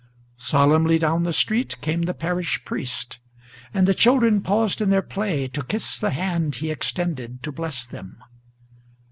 Solemnly down the street came the parish priest, and the children Paused in their play to kiss the hand he extended to bless them.